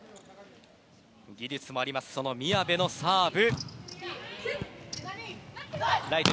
技術もある宮部のサーブ。